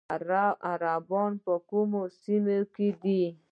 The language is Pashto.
عربان په کومو سیمو کې دي؟